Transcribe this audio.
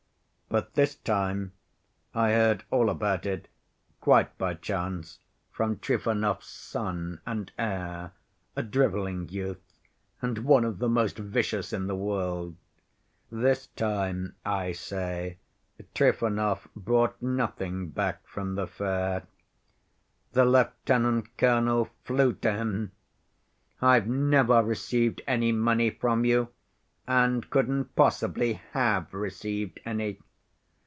But this time (I heard all about it quite by chance from Trifonov's son and heir, a driveling youth and one of the most vicious in the world)—this time, I say, Trifonov brought nothing back from the fair. The lieutenant‐colonel flew to him. 'I've never received any money from you, and couldn't possibly have received any.